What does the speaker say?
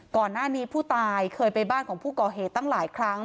ก่อนหน้านี้ผู้ตายเคยไปบ้านของผู้ก่อเหตุตั้งหลายครั้ง